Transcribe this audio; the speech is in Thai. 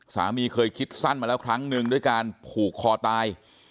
สามีเคยคิดสั้นมาแล้วครั้งหนึ่งด้วยการผูกคอตาย